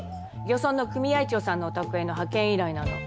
漁村の組合長さんのお宅への派遣依頼なの。